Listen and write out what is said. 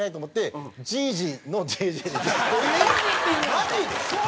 マジで！？